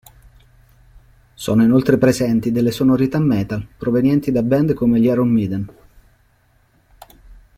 Sono inoltre presenti delle sonorità metal, provenienti da band come gli Iron Maiden.